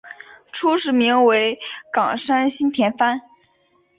初时名为冈山新田藩。